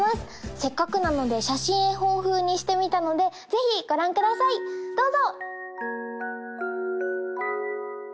せっかくなので写真絵本風にしてみたのでぜひご覧くださいどうぞ！